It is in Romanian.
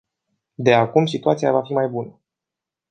De acum, situația va fi mai bună.